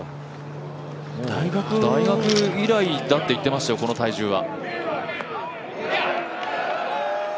大学以来だって言ってましたよ、この体重は。